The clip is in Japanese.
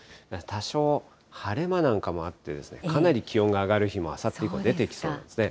多少、晴れ間なんかもあって、かなり気温が上がる日もあさって以降、出てきそうですね。